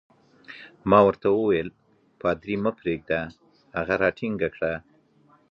ما ورته وویل: پادري مه پرېږده، هغه راټینګ کړه.